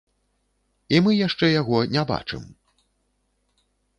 І мы яшчэ яго не бачым.